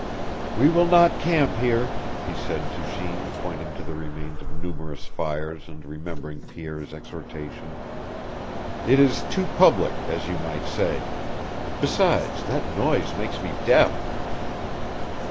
"We will not camp here," he said to Jeanne pointing to the remains of numerous fires and remembering Pierre's exhortation. "It is too public, as you might say. Besides, that noise makes me deaf."